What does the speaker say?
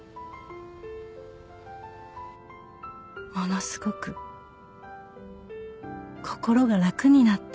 「ものすごく心が楽になった」